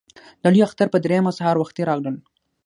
د لوی اختر په درېیمه سهار وختي راغلل.